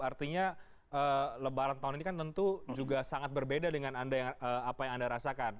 artinya lebaran tahun ini kan tentu juga sangat berbeda dengan apa yang anda rasakan